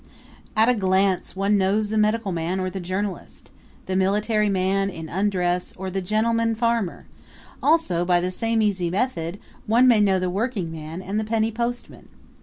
At a glance one knows the medical man or the journalist, the military man in undress or the gentleman farmer; also, by the same easy method, one may know the workingman and the penny postman.